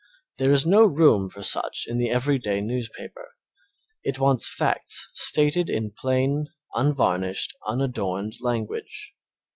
There is no room for such in the everyday newspaper. It wants facts stated in plain, unvarnished, unadorned language.